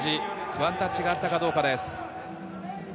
ワンタッチがあったかどうかです。